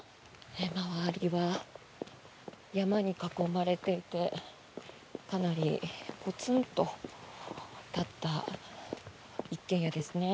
周りは山に囲まれていてかなりぽつんと立った一軒家ですね。